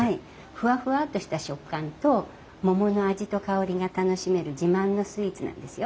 ふわふわっとした食感と桃の味と香りが楽しめる自慢のスイーツなんですよ。